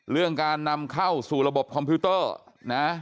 เรื่องการนำเข้าสู่ระบบคอมพิวเตอร์นะ